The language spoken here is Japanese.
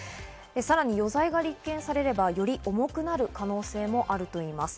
さらに余罪が立件されればより重くなる可能性もあるといいます。